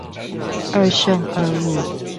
二聖二路